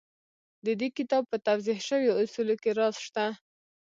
د دې کتاب په توضيح شويو اصولو کې راز شته.